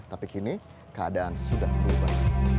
tapi kini keadaan sudah berubah